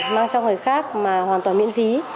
mang cho người khác mà hoàn toàn miễn phí